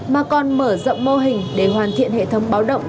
mà còn mở rộng mô hình để hoàn thiện hệ thống báo động